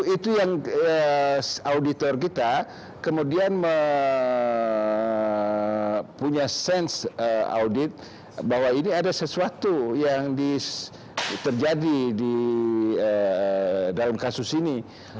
itu yang auditor kita kemudian punya sense audit bahwa ini ada sesuatu yang terjadi di dalam kasus ini